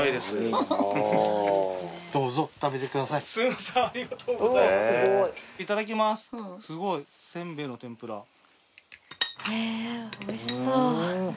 すごいせんべいの天ぷら。